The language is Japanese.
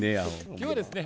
今日はですね